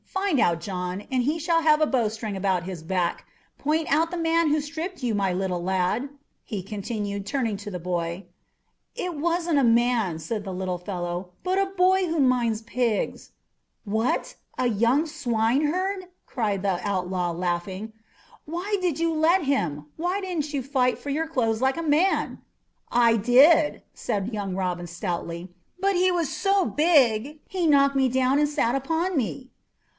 "Find out, John, and he shall have a bowstring about his back. Point out the man who stripped you, my little lad," he continued, turning to the boy. "It wasn't a man," said the little fellow, "but a boy who minds pigs." "What, a young swineherd!" cried the outlaw, laughing. "Why did you let him? Why didn't you fight for your clothes like a man?" "I did," said young Robin stoutly; "but he was so big, he knocked me down and sat upon me."